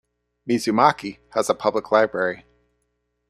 Mizumaki has a public library.